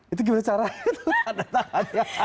itu gimana cara itu tanda tangannya